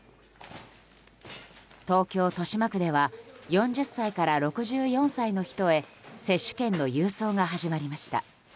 東京・豊島区では４０歳から６４歳の人へ接種券の郵送が始まりました。